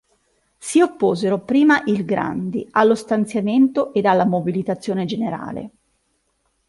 Si opposero prima il Grandi, allo stanziamento ed alla mobilitazione generale.